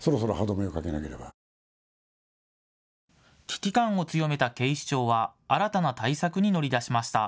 危機感を強めた警視庁は新たな対策に乗り出しました。